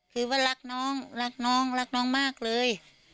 คือว่ารักน้องรักน้องรักน้องมากเลย